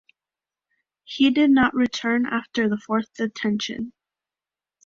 He did not return after the fourth detention.